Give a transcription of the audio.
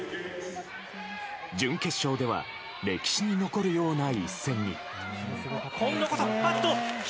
準決勝では歴史に残るような一戦に。